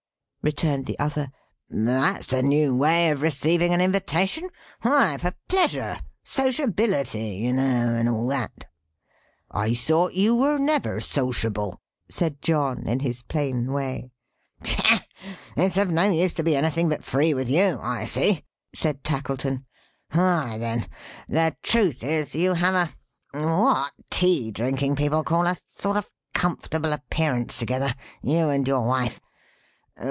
returned the other. "That's a new way of receiving an invitation. Why, for pleasure; sociability, you know, and all that!" "I thought you were never sociable," said John, in his plain way. "Tchah! It's of no use to be anything but free with you I see," said Tackleton. "Why, then, the truth is you have a what tea drinking people call a sort of a comfortable appearance together: you and your wife.